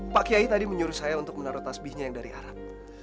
pak kiai tadi menyuruh saya untuk menaruh tasbihnya yang dari arab